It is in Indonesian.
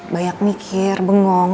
banyak mikir bengong